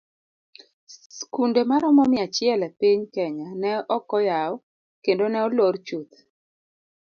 Skunde maromo mia achiel e piny kenya ne okoyaw kendo ne olor chuth.